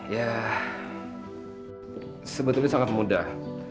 ya sebetulnya sangat mudah